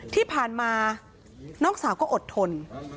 ที่ผ่านมาน้องสาวก็อดทน